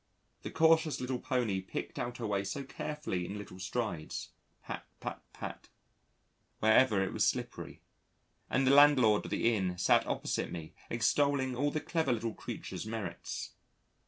The cautious little pony picked out her way so carefully in little strides pat pat pat wherever it was slippery, and the Landlord of the Inn sat opposite me extolling all the clever little creature's merits.